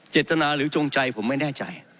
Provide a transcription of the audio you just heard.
เจตนาหรือจงใจผมไม่แน่ใจ